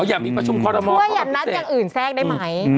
อย่ามีประชุมคอรมอลว่าอย่านัดอย่างอื่นแทรกได้ไหม